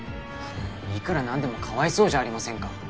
あのいくらなんでもかわいそうじゃありませんか？